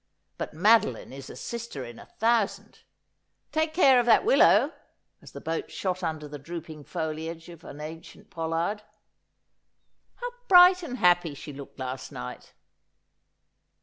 But Madeline is a sister in a thousand. Take care of that willow,' as the boat shot under the drooping foliage of an ancient pollard. ' How bright and happy she looked last night